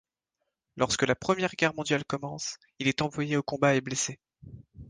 Lorsque la Première Guerre mondiale commence, il est envoyé au combat et blessé.